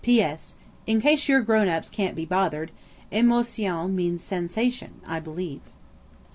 P.S.–In case your grown ups can't be bothered, "émotions" means sensation, I believe.